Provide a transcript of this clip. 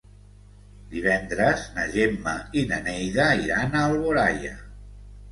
Divendres na Gemma i na Neida iran a Alboraia.